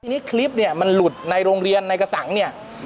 ทีนี้คลิปเนี่ยมันหลุดในโรงเรียนในกระสังเนี่ย